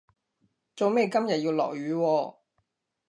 做咩今日要落雨喎